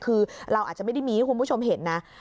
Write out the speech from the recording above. คือเราอาจจะไม่ได้มีให้คุณผู้ชมเห็นนะ